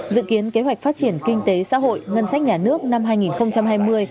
dự kiến kế hoạch phát triển kinh tế xã hội ngân sách nhà nước năm hai nghìn hai mươi